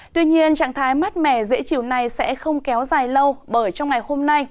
tuy nhiên trạng thái mát mẻ dễ chịu này sẽ không kéo dài lâu bởi trong ngày hôm nay